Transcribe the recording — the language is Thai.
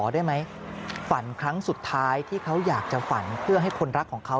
ได้ไหมฝันครั้งสุดท้ายที่เขาอยากจะฝันเพื่อให้คนรักของเขา